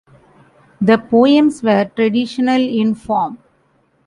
The poems were traditional in form.